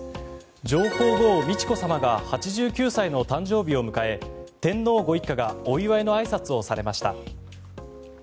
上皇后・美智子さまが８９歳の誕生日を迎え天皇ご一家がお祝いのあいさつをされました。